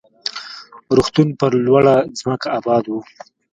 روغتون پر لوړه ځمکه اباد و.